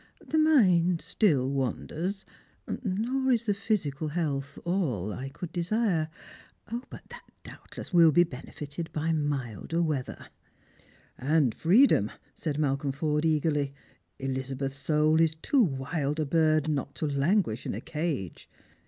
The mind still wanders ; nor is the physical health all I could desire. But that doubtless will be benefited by milder weather." " And freedom," said Malcolm Forde eagerly. " Elizabeth's Boul is too wild a bird not to languish in a cage.